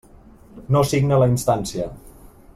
No signa la instància.